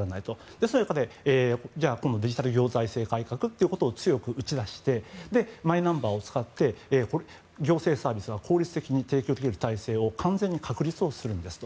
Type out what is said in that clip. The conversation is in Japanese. ですので、今度はデジタル行財政改革ということを強く打ち出してマイナンバーを使って行政サービスが効率的に提供できる体制を完全に確立するんですと。